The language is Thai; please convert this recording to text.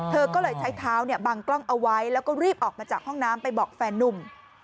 เธอก็เลยใช้เท้าบังกล้องเอาไว้แล้วก็รีบออกมาจากห้องน้ำไปบอกแฟนนุ่ม